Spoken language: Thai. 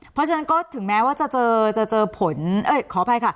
เพราะฉะนั้นก็ถึงแม้ว่าจะเจอจะเจอผลขออภัยค่ะ